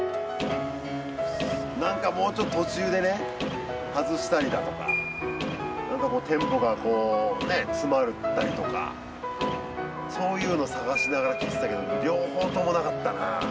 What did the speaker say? もっと途中で外したりだとか、テンポが詰まったりだとか、そういうの探しながら聴いてたけど、両方ともなかったな。